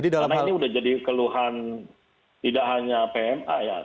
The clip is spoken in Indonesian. karena ini sudah jadi keluhan tidak hanya pma ya